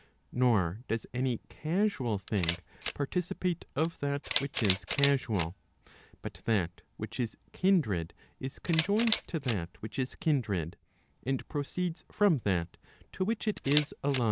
Nor does any casual thing participate of that which is casual. But that which is kindred is conjoined to that which is kindred, and proceeds from that to which it is allied.